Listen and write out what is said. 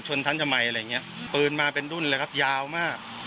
ฉันทำไมอะไรอย่างเงี้ยปืนมาเป็นรุ่นเลยครับยาวมาก